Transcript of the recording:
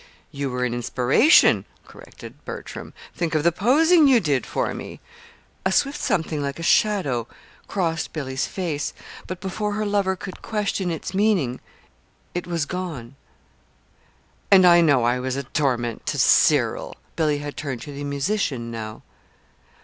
"You were an inspiration," corrected Bertram. "Think of the posing you did for me." A swift something like a shadow crossed Billy's face; but before her lover could question its meaning, it was gone. "And I know I was a torment to Cyril." Billy had turned to the musician now.